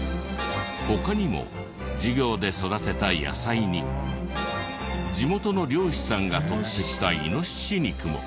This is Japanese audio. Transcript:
他にも授業で育てた野菜に地元の猟師さんがとってきたイノシシ肉も。